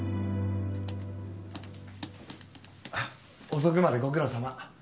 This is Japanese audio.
遅くまでご苦労さま。